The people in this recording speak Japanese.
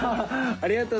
ありがとう！